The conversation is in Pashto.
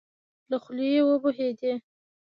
له خولې يې وبهېدې.